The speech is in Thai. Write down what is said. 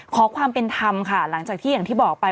ขอความเป็นธรรมค่ะหลังจากที่อย่างที่บอกไป